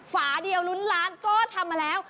ฝาเดียวลุ้นล้านก็ทำมาแล้ว